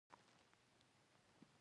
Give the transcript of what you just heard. ده خپله رابطه ورسره شلولې ده